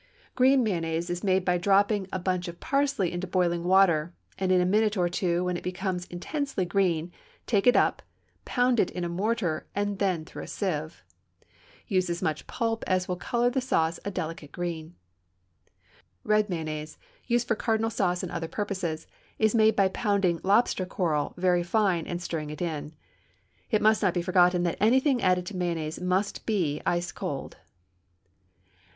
Green mayonnaise is made by dropping a bunch of parsley into boiling water, and in a minute or two, when it becomes intensely green, take it up, pound it in a mortar, and then through a sieve. Use as much pulp as will color the sauce a delicate green. Red mayonnaise, used for cardinal salad and other purposes, is made by pounding lobster coral very fine and stirring it in. It must not be forgotten that anything added to mayonnaise must be ice cold.